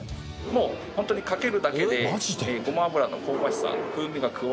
もう本当にかけるだけでごま油の香ばしさ風味が加わるので。